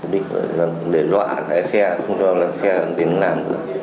đi khởi để dọa để xe không cho xe đến làm